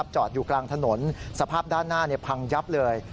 จอดอยู่กลางถนนสภาพด้านหน้าพังยับเลย